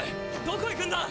どこ行くんだ！？